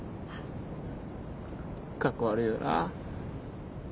カッコ悪いよな